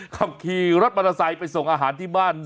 เขาขี่รถมันทรายไปส่งอาหารที่บ้าน